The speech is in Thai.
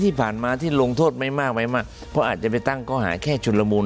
ที่ผ่านมาที่ลงโทษไม่มากไม่มากเพราะอาจจะไปตั้งข้อหาแค่ชุนละมุน